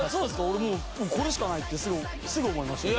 俺もうこれしかないってすぐ思いましたよ。